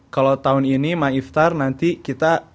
kalau tahun ini myftar nanti kita